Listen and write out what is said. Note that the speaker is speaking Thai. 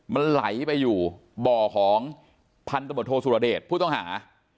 มันไหลไปอยู่บ่อของพันธบทโทสุรเดชผู้ต้องหา